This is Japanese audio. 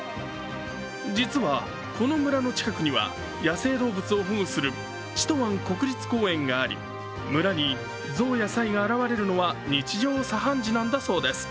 実は、この村の近くには野生動物を保護するチトワン国立公園があり、村に象やサイが現れるのは日常茶飯事なんだそうです。